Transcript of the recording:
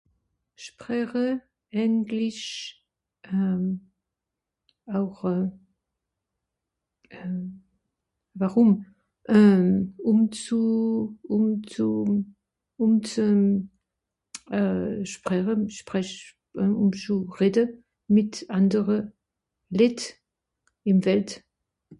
spraeche englisch euh auch euh euh warum euh um zu um zum um zem euh spraere spraech ùm zu rede mìt andere Lìt ìm Welt